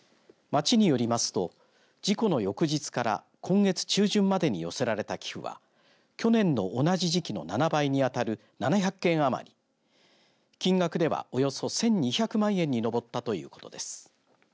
町によりますと、事故の翌日から今月中旬までに寄せられた寄付は去年の同じ時期の７倍に当たる７００件余り金額では、およそ１２００万円に上ったということです。